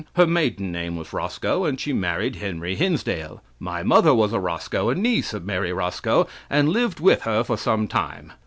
Her maiden name was Roscoe and she married Henry Hinsdale. My mother was a Roscoe, a niece of Mary Roscoe, and lived with her for some time.